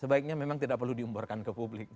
sebaiknya memang tidak perlu diumbarkan ke publik